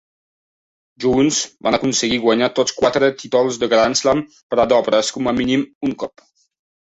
Junts van aconseguir guanyar tots quatre títols de Grand Slam per a dobles com a mínim un cop.